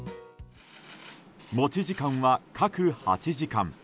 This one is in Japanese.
持ち時間は各８時間。